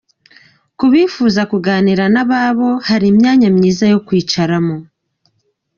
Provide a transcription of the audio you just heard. Ku bifuza kuganira n'ababo hari imyanya myiza yo kwicaramo.